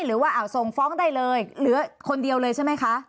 หรือว่าส่งฟ้องได้เลยเหลือคนเดียวเลยใช่ไหมคะ